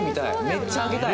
めっちゃ開けたい！」